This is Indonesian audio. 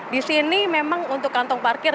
disini memang untuk kantong parkir